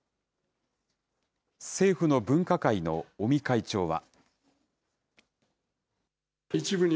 政府の分科会の尾身会長は。